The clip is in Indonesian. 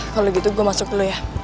kalo gitu gue masuk dulu ya